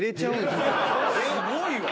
すごいわ。